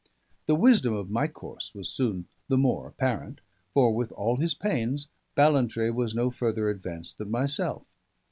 The wisdom of my course was soon the more apparent; for, with all his pains, Ballantrae was no further advanced than myself.